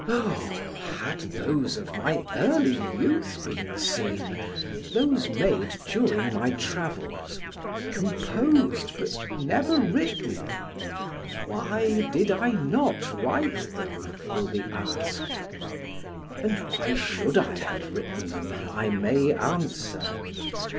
Oh! had those of my early youth been seen, those made during my travels, composed, but never written! Why did I not write them? will be asked; and why should I have written them? I may answer.